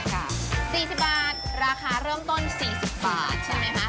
๔๐บาทราคาเริ่มต้น๔๐บาทใช่ไหมคะ